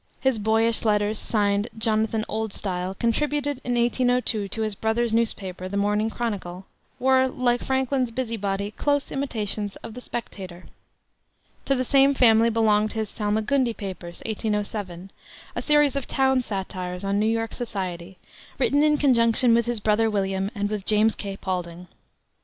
His boyish letters, signed "Jonathan Oldstyle," contributed in 1802 to his brother's newspaper, the Morning Chronicle, were, like Franklin's Busybody, close imitations of the Spectator. To the same family belonged his Salmagundi papers, 1807, a series of town satires on New York society, written in conjunction with his brother William and with James K. Paulding.